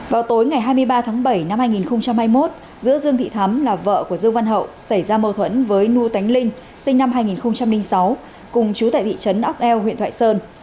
vào tối ngày hai mươi ba tháng bảy năm hai nghìn hai mươi một giữa dương thị thắm là vợ của dương văn hậu xảy ra mâu thuẫn với nu tánh linh sinh năm hai nghìn sáu cùng chú tại thị trấn ốc eo huyện thoại sơn